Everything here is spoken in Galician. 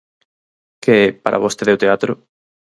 Que é para vostede o teatro?